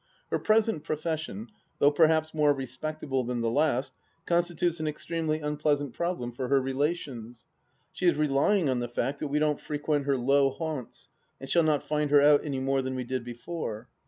Her present profession, though perhaps more respectable than the last, constitutes an extremely unpleasant problem for her relations. She is relying on the fact that we don't frequent her low haunts, and shall not find her out any more than we did before.